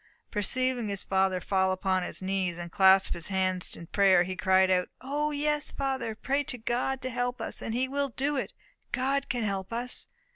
Perceiving his father fall upon his knees and clasp his hands in prayer, he cried out, "O, yes, father, pray to God to help us, and he will do it God can help us!"